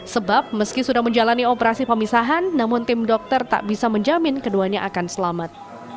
sebab meski sudah menjalani operasi pemisahan namun tim dokter tak bisa menjamin keduanya akan selamat